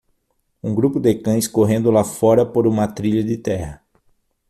um grupo de cães correndo lá fora por uma trilha de terra.